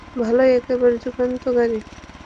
ভালোই, একেবারে যুগান্তকারী!